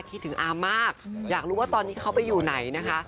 คิดถึงอามมากอยากรู้ว่าตอนนี้เขาไปอยู่ไหนนะคะ